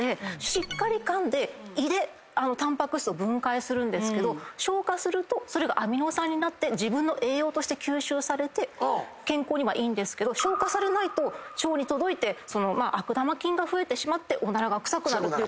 しっかりかんで胃でタンパク質を分解するんですけど消化するとアミノ酸になって自分の栄養として吸収されて健康にはいいんですけど消化されないと腸に届いて悪玉菌が増えてしまってオナラが臭くなるってことになる。